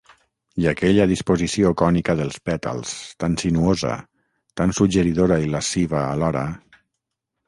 I aquella disposició cònica dels pètals, tan sinuosa, tan suggeridora i lasciva alhora...